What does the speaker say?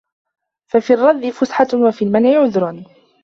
فَفِي الرَّدِّ فُسْحَةٌ وَفِي الْمَنْعِ عُذْرٌ